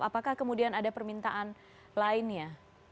apakah kemudian ada permintaan lainnya